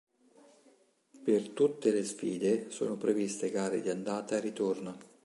Per tutte le sfide sono previste gare di andata e ritorno.